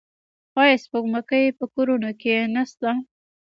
آیا سپوږمکۍ په کورونو کې نشته؟